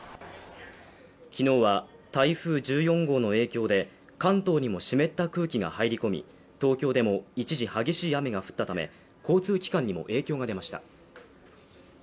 昨日は台風１４号の影響で関東にも湿った空気が入り込み東京でも一時、激しい雨が降ったため交通機関にも影響が出ました。